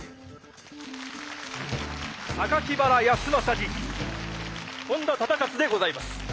榊原康政に本多忠勝でございます。